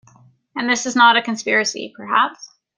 And this is not a conspiracy, perhaps?